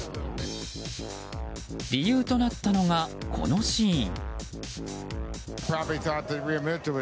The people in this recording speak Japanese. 理由となったのが、このシーン。